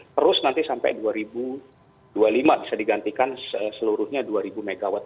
terus nanti sampai dua ribu dua puluh lima bisa digantikan seluruhnya dua ribu mw